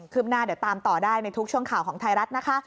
ืบหน้าเดี๋ยวตามต่อได้ในทุกช่วงข่าวของไทยรัฐนะคะ